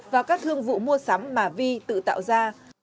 và các thương vụ mua sắm mà vi tự tạo ra